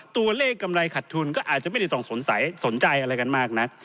ตัวเลขกำไรขัดทุนก็อาจจะไม่ได้ต้องสนใจอะไรกันมากนัก